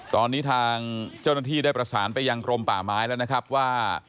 ตอนนี้ทางเจ้าหน้าที่ได้ประสานไปยังกรมป่าไม้แล้วนะครับว่า